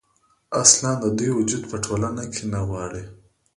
اصـلا د دوي وجـود پـه ټـولـنـه کـې نـه غـواړي.